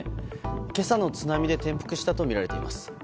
今朝の津波で転覆したとみられています。